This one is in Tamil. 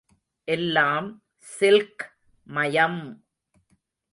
எல்லாம் சில்க் மயம்!